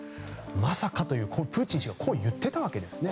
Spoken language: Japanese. まさかという、プーチン氏がこう言ってたわけですね。